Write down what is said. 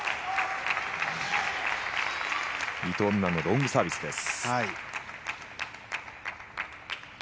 伊藤美誠のロングサービスです。